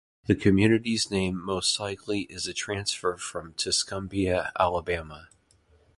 The community's name most likely is a transfer from Tuscumbia, Alabama.